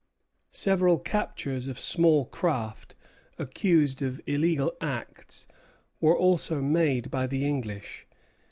Several captures of small craft, accused of illegal acts, were also made by the English.